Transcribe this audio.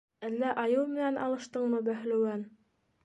- Әллә айыу менән алыштыңмы, бәһлеүән?